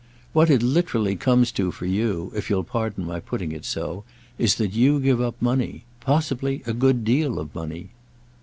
"What it literally comes to for you, if you'll pardon my putting it so, is that you give up money. Possibly a good deal of money."